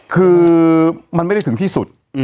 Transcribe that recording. คือมันไม่ได้ถึงที่สุด